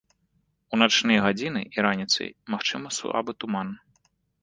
У начныя гадзіны і раніцай магчымы слабы туман.